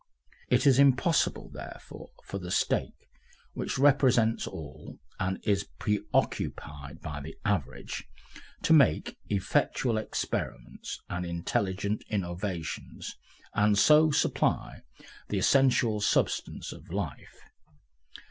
It is impossible, therefore, for the State, which represents all and is preoccupied by the average, to make effectual experiments and intelligent innovations, and so supply the essential substance of life.